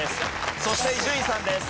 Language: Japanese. そして伊集院さんです。